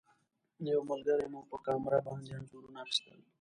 یو ملګري مو په کامره باندې انځورونه اخیستل.